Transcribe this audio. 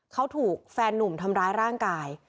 เขาถูกแฟนหนุ่มทำร้ายร่างกาย